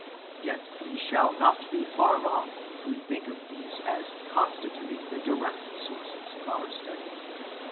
Yet we shall not be far wrong if we think of these as constituting the direct sources of our study.